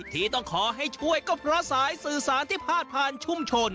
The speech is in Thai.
ที่ต้องขอให้ช่วยก็เพราะสายสื่อสารที่พาดผ่านชุมชน